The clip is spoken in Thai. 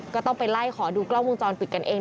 ก็ต้องไปไล่ขอดูกล้องวงจรปิดกันเอง